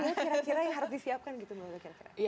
apa kira kira yang harus disiapkan gitu mbak wil kira kira